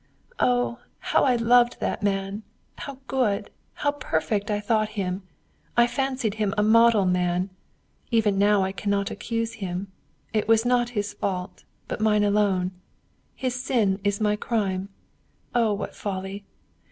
"Oh, how I loved that man! How good, how perfect I thought him! I fancied him a model man! Even now I cannot accuse him. It was not his fault, but mine alone. His sin is my crime. Oh, what folly!